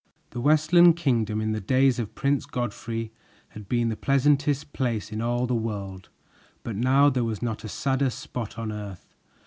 The Westland Kingdom, in the days of Prince Godfrey, had been the pleasantest place in all the world, but now there was not a sadder spot on earth.